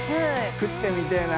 食ってみたいな。